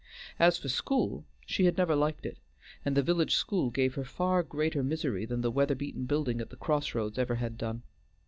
As for school, she had never liked it, and the village school gave her far greater misery than the weather beaten building at the cross roads ever had done.